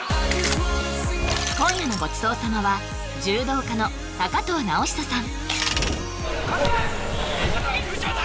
今夜のごちそう様は柔道家の藤直寿さん内股！